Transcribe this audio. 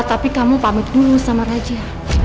tapi kamu pamit dulu sama raja